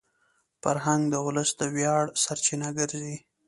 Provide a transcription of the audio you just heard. فرهنګ د ولس د ویاړ سرچینه ګرځي.